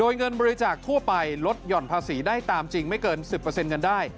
ย่อนภาษีได้ตามจริงไม่เกิน๑๐เงินได้